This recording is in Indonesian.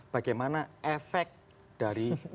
bagaimana efek dari